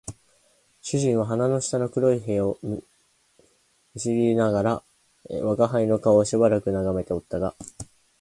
主人は鼻の下の黒い毛を撚りながら吾輩の顔をしばらく眺めておったが、